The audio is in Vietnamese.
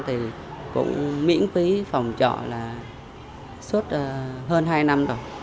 thì cũng miễn phí phòng trọ là suốt hơn hai năm rồi